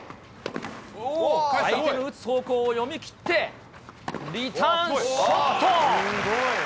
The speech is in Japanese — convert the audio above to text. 相手の打つ方向を読み切ってリターンショット。